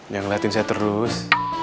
jangan liatin saya terus